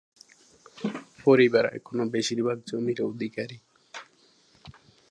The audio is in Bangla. পরিবার এখনও বেশিরভাগ জমির অধিকারী।